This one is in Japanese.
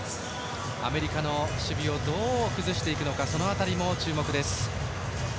アメリカの守備をどう崩していくのかその辺りも注目です。